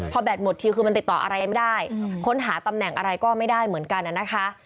พอแบตหมดทีคือมันติดต่ออะไรไม่ได้ค้นหาตำแหน่งอะไรก็ไม่ได้เหมือนกันนะคะ